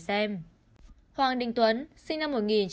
các clip của người này ngoài qua hình ảnh của hàng trăm ngàn người